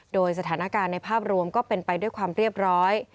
โดยสถานการณ์ในภาพรวมก็เป็นไปด้วยความเรียบร้อย